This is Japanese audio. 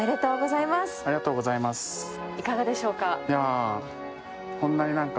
いかがでしょうか？